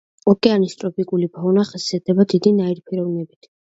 ოკეანის ტროპიკული ფაუნა ხასიათდება დიდი ნაირფეროვნებით.